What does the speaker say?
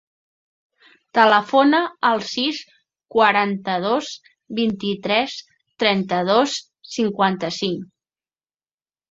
Telefona al sis, quaranta-dos, vint-i-tres, trenta-dos, cinquanta-cinc.